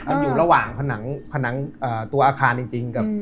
มันอยู่ระหว่างผนังตัวอาคารจริง